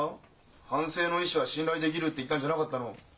「反省の意思は信頼できる」って言ったんじゃなかったの？